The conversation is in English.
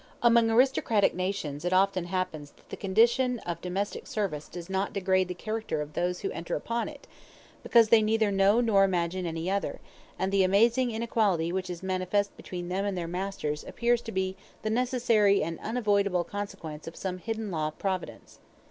Amongst aristocratic nations it often happens that the condition of domestic service does not degrade the character of those who enter upon it, because they neither know nor imagine any other; and the amazing inequality which is manifest between them and their master appears to be the necessary and unavoidable consequence of some hidden law of Providence.